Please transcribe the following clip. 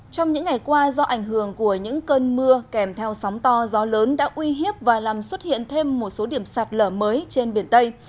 trong những ngày qua do ảnh hưởng của những cơn mưa kèm theo sóng to gió lớn đã uy hiếp và làm xuất hiện thêm một số điểm sạt lở mới trên biển tây